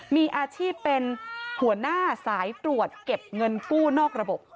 มีอาชีพเป็นหัวหน้าสายตรวจเก็บเงินกู้นอกระบบ